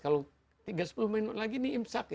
kalau tiga puluh menit lagi ini imsak